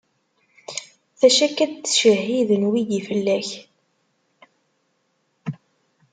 D acu akka i d-ttcehhiden wigi fell-ak?